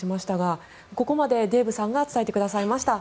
ここまでデーブさんが伝えてくださいました。